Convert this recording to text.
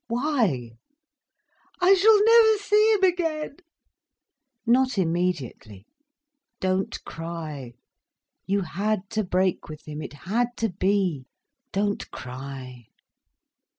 "Why?" "I shall never see him again—" "Not immediately. Don't cry, you had to break with him, it had to be—don't cry."